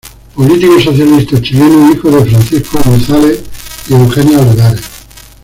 Político socialista chileno, hijo de Francisco González y Eugenia Olivares.